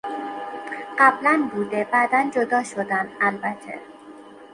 قبلا بوده، بعداً جدا شدن، البته